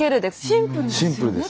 シンプルですね。